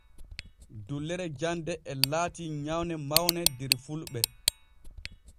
Dullere jande e laati nyawne mawne der fulɓe.